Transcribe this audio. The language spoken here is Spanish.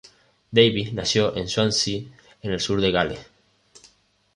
Davis nació en Swansea, en el sur de Gales.